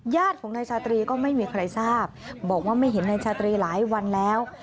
ญาติของนายชาตรีก็ไม่มีใครทราบบอกว่าไม่เห็นนายชาตรีหลายวันแล้ว